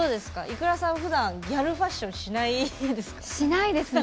ｉｋｕｒａさん、ふだんギャルファッションしないですか。